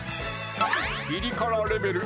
ピリ辛レベル